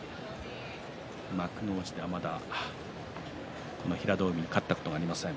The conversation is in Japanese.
幕内では、まだ平戸海に勝ったことがありません